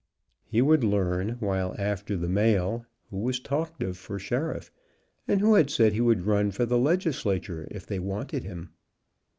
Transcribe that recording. He would learn while after the mail who was talked of for sheriff, and who had said he would run for the Legislature if they wanted him.